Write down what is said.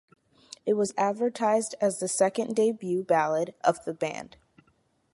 It was advertised as the second début ballad of the band.